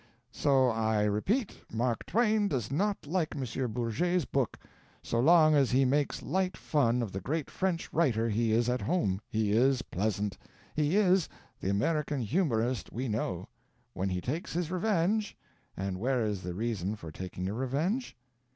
[So, I repeat, Mark Twain does not like M. Paul Bourget's book. So long as he makes light fun of the great French writer he is at home, he is pleasant, he is the American humorist we know. When he takes his revenge (and where is the reason for taking a revenge?)